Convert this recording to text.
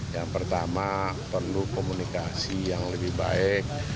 yang pertama perlu komunikasi yang lebih baik